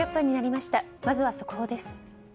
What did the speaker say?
まずは速報です。